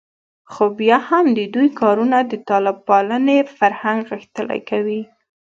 خو بیا هم د دوی کارونه د طالب پالنې فرهنګ غښتلی کوي